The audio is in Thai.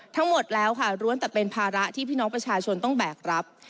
ทั้งหมดแล้วค่ะล้วนแต่เป็นภาระที่พี่น้องประชาชนต้องแบกรับ